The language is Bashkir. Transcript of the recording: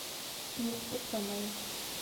Юҡ, туҡтамайым!